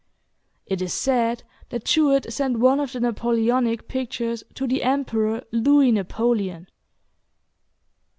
It is said that Jewett sent one of the Napoleonic pictures to the Emperor Louis Napoleon.